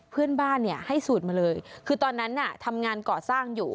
เพื่อนบ้านเนี่ยให้สูตรมาเลยคือตอนนั้นน่ะทำงานก่อสร้างอยู่